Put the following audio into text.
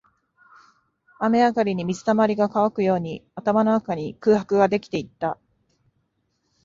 雨上がりに水溜りが乾くように、頭の中に空白ができていった